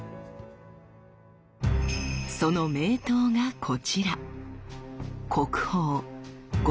その名刀がこちら。